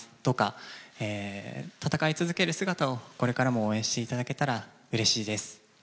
どうか戦い続ける姿をこれからも応援してくれたらうれしいです。